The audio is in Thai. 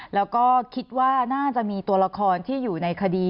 แล้วก็คิดว่าน่าจะมีตัวละครที่อยู่ในคดี